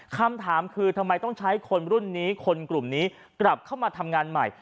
คำถามคือทำไมต้องใช้คนรุ่นนี้คนกลุ่มนี้กลับเข้ามาทำงานใหม่